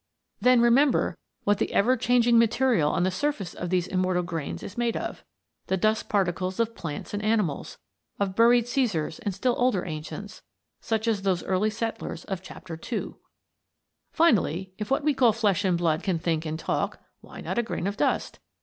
Then remember what the ever changing material on the surface of these immortal grains is made of; the dust particles of plants and animals, of buried Cæsars and still older ancients, such as those early settlers of Chapter II. Finally, if what we call flesh and blood can think and talk, why not a grain of dust?